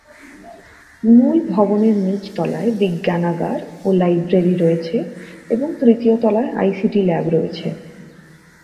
মূল ভবনের নীচ তলায় বিজ্ঞানাগার ও লাইব্রেরি রয়েছে এবং তৃতীয় তলায় আইসিটি ল্যাব রয়েছে।